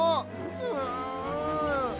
ふん！